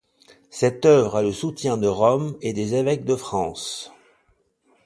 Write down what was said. Cette œuvre a le soutien de Rome et des évêques de France.